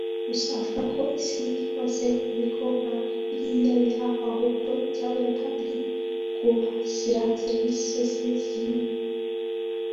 Gusa avuga ko ku isi hose ibigo nka biriya bihaba ahubwo icyaburaga ari ukuhashyira Serivisi zose zikenerwa